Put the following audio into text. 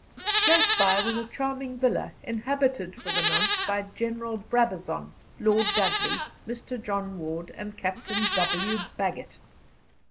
Close by was a charming villa inhabited for the nonce by General Brabazon, Lord Dudley, Mr. John Ward, and Captain W. Bagot.